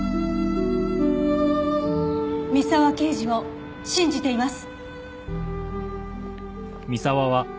三沢刑事を信じています。